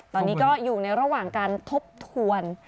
ตอนนี้ก็อยู่ในระหว่างการทบทวน